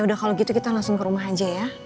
udah kalau gitu kita langsung ke rumah aja ya